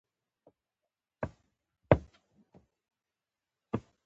خلک فکر کوي چې پلار د کور واکمن دی